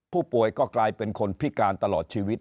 ผู้ป่วยก็กลายเป็นคนพิการตลอดชีวิต